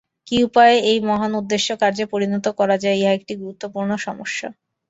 কি উপায়ে এই মহান উদ্দেশ্য কার্যে পরিণত করা যায়, ইহা একটি গুরুতর সমস্যা।